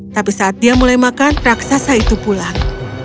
tapi saat dia mulai makan raksasa itu pulang